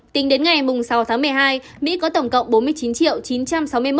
tính đến ngày sáu tháng một mươi hai mỹ có tổng cộng bốn mươi chín chín trăm sáu mươi một ca mắc covid một mươi chín